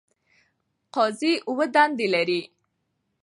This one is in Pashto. قاضی اووه دندې لري.